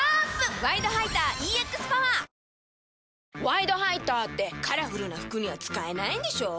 「ワイドハイター」ってカラフルな服には使えないんでしょ？